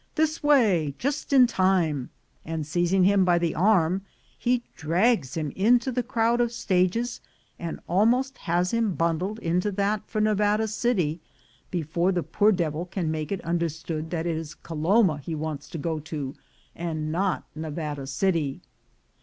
— this way — just in time," and seizing him by the arm, he drags him into the crowd of stages, and almost has him bundled into that for Nevada City before the OFF FOR THE MINES 109 poor devil can make it understood that it is Caloma he wants to go to, and not Nevada City.